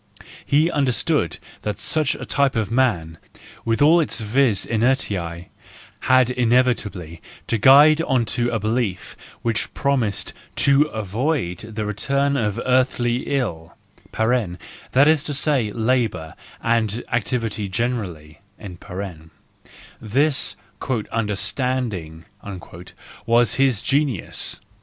He understood that such a type of man, with all its vis inertiae , had inevitably to glide into a belief which promises to avoid the return of earthly ill (that is to say, labour and activity generally),—this " understanding " was his genius.